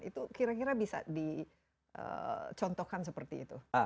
itu kira kira bisa dicontohkan seperti itu